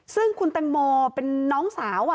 ซึ่งคุณแตงโมเป็นน้องสาว